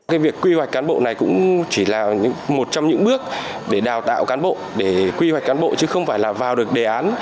cái việc quy hoạch cán bộ này cũng chỉ là một trong những bước để đào tạo cán bộ để quy hoạch cán bộ chứ không phải là vào được đề án